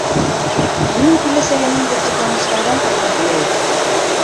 Уның киләсәгенең дә тик уңыштарҙан тороуын теләйек.